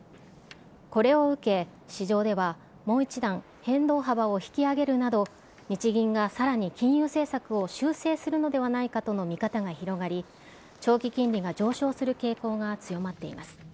これを受け、市場では、もう一段、変動幅を引き上げるなど日銀がさらに金融政策を修正するのではないかとの見方が広がり、長期金利が上昇する傾向が強まっています。